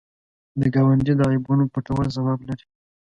د ګاونډي د عیبونو پټول ثواب لري